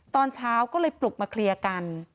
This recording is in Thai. ตอนเช้าก็เลยปลุกมาเคลียร์กัน